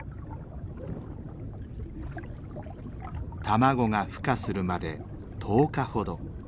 卵がふ化するまで１０日ほど。